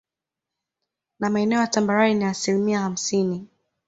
Na maeneo ya tambarare ni asilimia hamsini